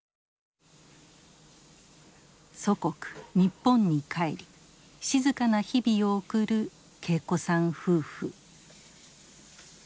祖国日本に帰り静かな日々を送る桂子さん夫婦。